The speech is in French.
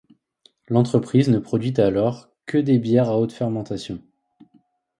L'entreprise ne produit alors que des bières à haute fermentation.